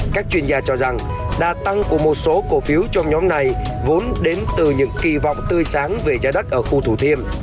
các chuyên gia cho rằng đa tăng của một số cổ phiếu trong nhóm này vốn đến từ những kỳ vọng tươi sáng về giá đất ở khu thủ thiêm